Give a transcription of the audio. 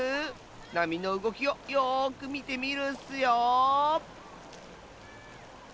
なみのうごきをよくみてみるッスよ。